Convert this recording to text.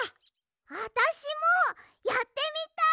あたしもやってみたい！